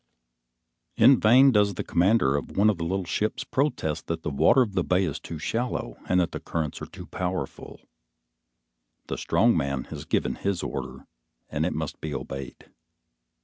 In vain does the commander of one of the little ships protest that the water of the bay is too shallow and that the currents are too powerful; the strong man has given his order, and it must be obeyed.